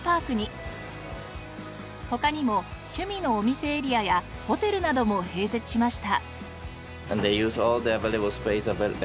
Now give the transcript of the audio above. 他にも趣味のお店エリアやホテルなども併設しました。